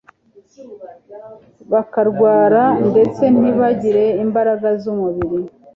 bakarwara, ndetse ntibagire imbaraga z'umubiri